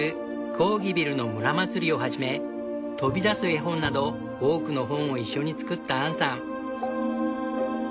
「コーギビルの村まつり」をはじめ飛び出す絵本など多くの本を一緒に作ったアンさん。